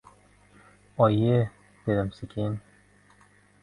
Oyi... - dedim sekin...